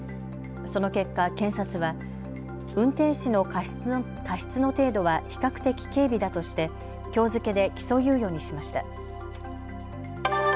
その結果、検察は運転士の過失の程度は比較的軽微だとしてきょう付けで起訴猶予にしました。